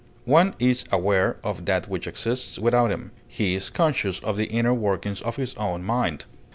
One is aware of that which exists without him; he is conscious of the inner workings of his own mind.